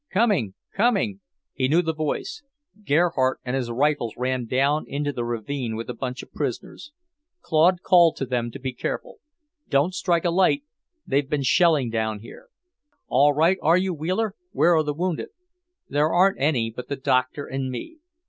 "Coming, coming!" He knew the voice. Gerhardt and his rifles ran down into the ravine with a bunch of prisoners. Claude called to them to be careful. "Don't strike a light! They've been shelling down here." "All right are you, Wheeler? Where are the wounded?" "There aren't any but the Doctor and me.